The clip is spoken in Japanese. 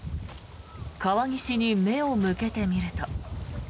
川岸に目を向けてみると。